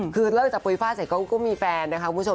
คือเริ่มจากปุ๋ยฟ้าเสร็จก็มีแฟนนะคะคุณผู้ชม